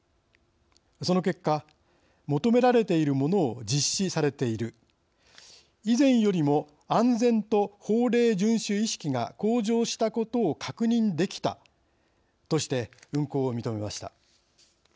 その結果求められているものを実施されている以前よりも安全と法令順守意識が向上したことを確認できたとして運航を認めました。